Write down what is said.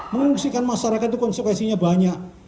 mengungsikan masyarakat itu konsekuensinya banyak